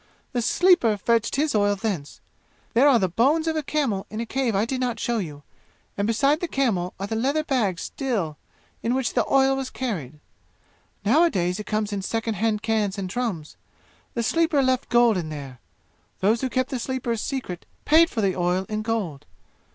"The Sleeper fetched his oil thence. There are the bones of a camel in a cave I did not show you, and beside the camel are the leather bags still in which the oil was carried. Nowadays it comes in second hand cans and drums. The Sleeper left gold in here. Those who kept the Sleeper's secret paid for the oil in gold.